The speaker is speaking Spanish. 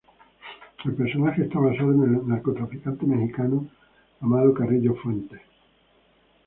El personaje está basado en el narcotraficante mexicano Amado Carrillo Fuentes.